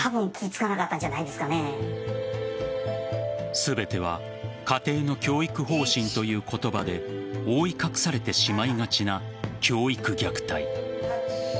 全ては家庭の教育方針という言葉で覆い隠されてしまいがちな教育虐待。